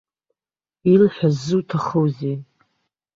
Илҳәаз зуҭахузеи.